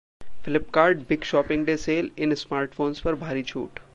Flipkart big shopping day sale: इन smartphones पर भारी छूट